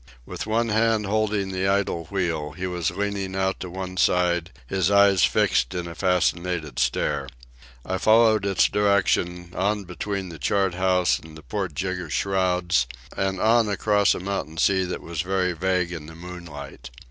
With one hand holding the idle wheel, he was leaning out to one side, his eyes fixed in a fascinated stare. I followed its direction, on between the chart house and the port jigger shrouds, and on across a mountain sea that was very vague in the moonlight.